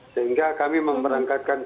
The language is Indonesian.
sehingga kami memberangkatkan tim